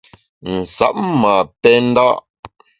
Nsab ma pè nda’.